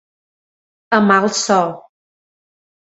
A mal so.